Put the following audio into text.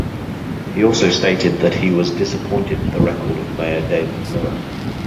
He also stated that he was disappointed at the record of Mayor David Miller.